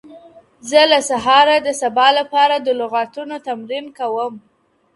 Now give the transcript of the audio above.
زه له سهاره د سبا لپاره د لغتونو تمرين کوم!